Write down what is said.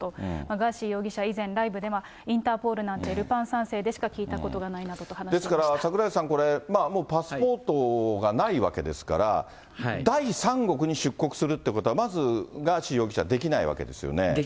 ガーシー容疑者、以前、ライブでは、インターポールなんてルパン三世でしか聞いたことがないなどと話ですから櫻井さん、これ、パスポートがないわけですから、第三国に出国するってことは、まず、ガーシー容疑者できないわけですよね。